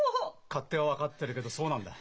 「勝手」は分かってるけどそうなんだ。